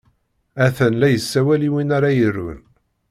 Ha-t-an la yessawal i win ara irun.